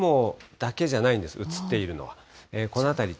雲だけじゃないんです、写っているのは。